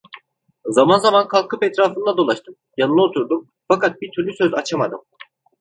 Zaman zaman kalkıp etrafında dolaştım, yanına oturdum, fakat bir türlü söz açamadım.